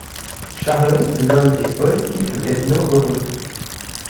Charley, Lon et Paul quittent le casino heureux.